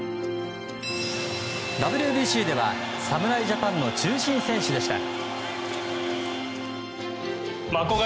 ＷＢＣでは侍ジャパンの中心選手でした。